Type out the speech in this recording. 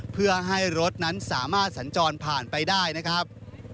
เพื่อให้รถนั้นสามารถสัญจรผ่านไปได้นะครับ